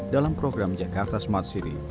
dalam program jakarta smart city